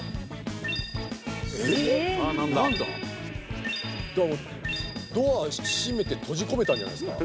えっ何ださあ何だドア閉めて閉じ込めたんじゃないっすか